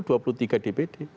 dua per tiga dpd